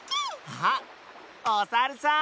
あっおさるさん。